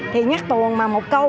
thì nhắc tuồn mà một câu